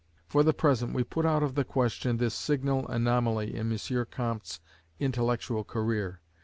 For the present we put out of the question this signal anomaly in M. Comte's intellectual career.